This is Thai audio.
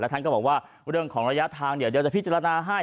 ท่านก็บอกว่าเรื่องของระยะทางเดี๋ยวจะพิจารณาให้